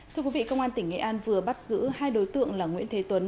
thưa quý vị công an tỉnh nghệ an vừa bắt giữ hai đối tượng là nguyễn thế tuấn